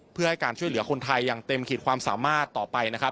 เพื่อให้การช่วยเหลือคนไทยอย่างเต็มขีดความสามารถต่อไปนะครับ